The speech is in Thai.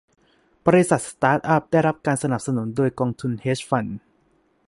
บริษัทสตาร์ตอัพได้รับการสนับสนุนโดยกองทุนเฮดจ์ฟันด์